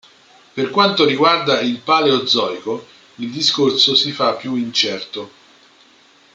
Per quanto riguarda il Paleozoico, il discorso si fa più incerto.